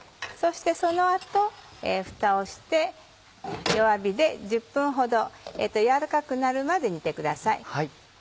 そしてその後蓋をして弱火で１０分ほど軟らかくなるまで煮てください。